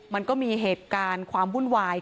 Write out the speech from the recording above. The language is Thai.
มันก็มีเหตุการณ์ความวุ่นวาย